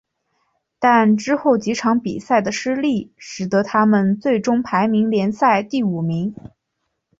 但之后几场比赛的失利使得他们最终排名联赛第五名。